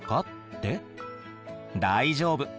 大丈夫。